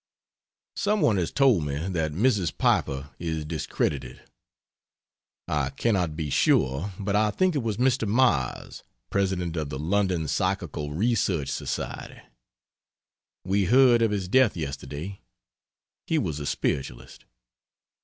Someone has told me that Mrs. Piper is discredited. I cannot be sure, but I think it was Mr. Myers, President of the London Psychical Research Society we heard of his death yesterday. He was a spiritualist.